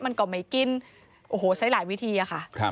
มันก็ไม่กินโอ้โหใช้หลายวิธีอะค่ะ